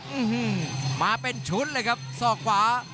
อืมมาเป็นชุดเลยครับศอกขวา